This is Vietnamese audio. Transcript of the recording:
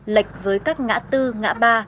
lệch với các ngã tư ngã ba